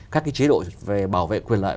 các cái chế độ về bảo vệ quyền lợi